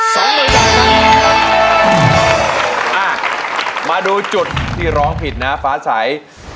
มามาดูจุดที่ร้องผิดนะฟ้าไส